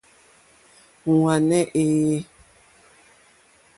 Ŋwáné èyé.